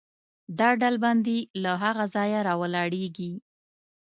دا ډلبندي له هغه ځایه راولاړېږي.